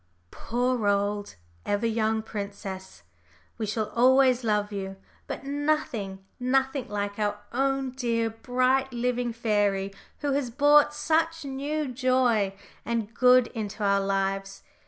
Poor old, ever young princess! We shall always love you, but nothing, nothing like our own dear bright living fairy who has brought such new joy and good into our lives.